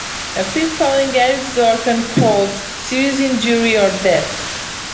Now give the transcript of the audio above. A free falling garage door can cause serious injury or death.